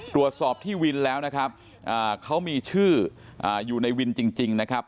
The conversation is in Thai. ตรวจสอบที่วินแล้วนะครับเขามีชื่ออยู่ในวินจริงนะครับ